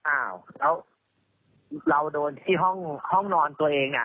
อ้าวแล้วเราโดนที่ห้องนอนตัวเอง